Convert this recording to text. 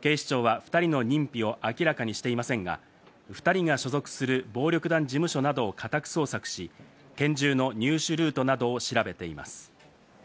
警視庁は２人の認否を明らかにしていませんが、２人が所属する暴力団事務所などを家宅捜索し、拳銃の入手ルートなどを調べています。